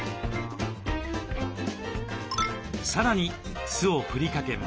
さらに酢を振りかけます。